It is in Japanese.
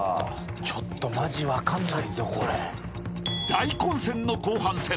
［大混戦の後半戦］